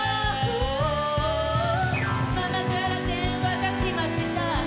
「ママから電話が来ました」